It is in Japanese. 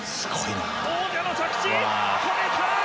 王者の着地止めた！